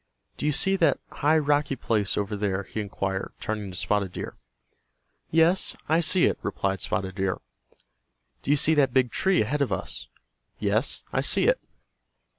"Do you see that high rocky place over there?" he inquired, turning to Spotted Deer. "Yes, I see it," replied Spotted Deer. "Do you see that big tree ahead of us?" "Yes, I see it."